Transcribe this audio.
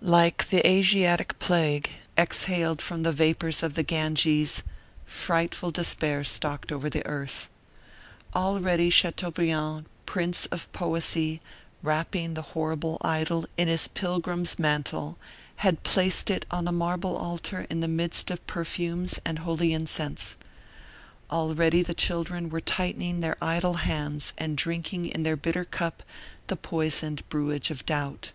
Like the Asiatic plague exhaled from the vapors of the Ganges, frightful despair stalked over the earth. Already Chateaubriand, prince of poesy, wrapping the horrible idol in his pilgrim's mantle, had placed it on a marble altar in the midst of perfumes and holy incense. Already the children were tightening their idle hands and drinking in their bitter cup the poisoned brewage of doubt.